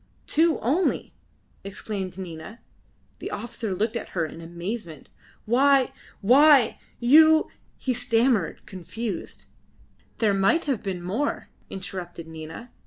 "Two only!" exclaimed Nina. The officer looked at her in amazement. "Why! why! You " he stammered, confused. "There might have been more," interrupted Nina.